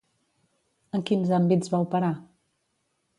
En quins àmbits va operar?